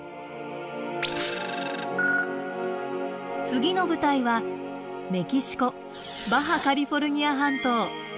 次の舞台はメキシコ・バハカリフォル二ア半島。